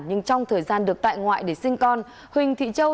nhưng trong thời gian được tại ngoại để sinh con huỳnh thị châu